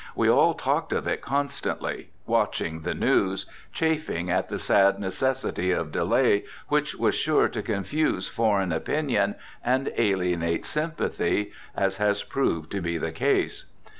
We all talked of it constantly, watching the news, chafing at the sad necessity of delay, which was sure to confuse foreign opinion and alienate sympathy, as has proved to be the case.